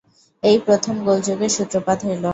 এই প্রথম গোলযোগের সূত্রপাত হইল।